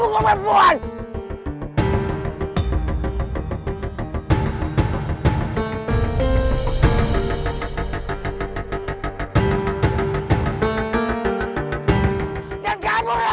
enggak mau sekarang